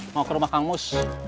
mau ke rumah kang mus